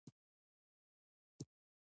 دا کتاب د انسانیت مشترکه سرمایه ده.